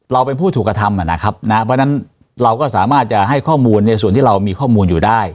เราเป็นผู้ถูกกระทำนะครับนะเพราะฉะนั้นเราก็สามารถจะให้ข้อมูลในส่วนที่เรามีข้อมูลอยู่ได้